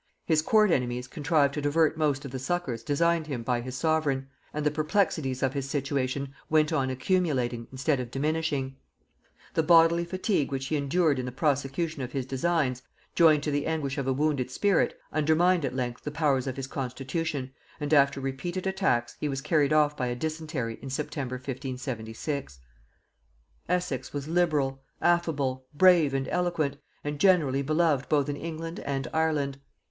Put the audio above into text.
His court enemies contrived to divert most of the succours designed him by his sovereign, and the perplexities of his situation went on accumulating instead of diminishing. The bodily fatigue which he endured in the prosecution of his designs, joined to the anguish of a wounded spirit, undermined at length the powers of his constitution, and after repeated attacks he was carried off by a dysentery in September 1576. Essex was liberal, affable, brave and eloquent, and generally beloved both in England and Ireland.